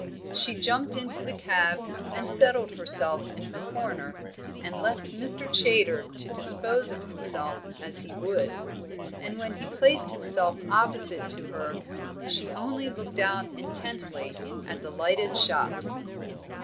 She jumped into the cab and settled herself in her corner, and left Mr. Chaytor to dispose of himself as he would; and when he placed himself opposite to her, she only looked out intently at the lighted shops.